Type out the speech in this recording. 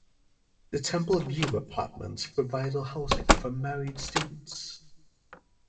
The Temple View Apartments provide housing for married students.